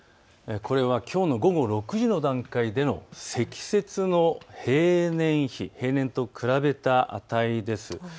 これはきょうの午後６時の段階での積雪の平年比、平年と比べた値です。